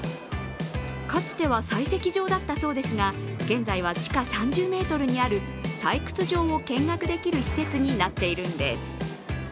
かつては採石場だったそうですが、現在は地下３０ｍにある採掘場を見学できる施設になっているんです。